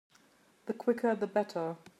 The quicker the better.